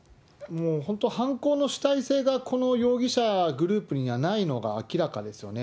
もう本当、犯行の主体性がこの容疑者グループにはないのが明らかですよね。